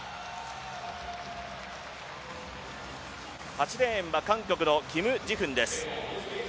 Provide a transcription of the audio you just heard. ８レーンは韓国のキム・ジフンです。